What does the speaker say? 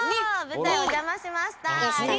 舞台お邪魔しました。